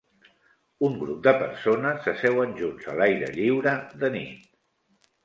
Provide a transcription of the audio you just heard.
Un grup de persones s'asseuen junts a l'aire lliure de nit.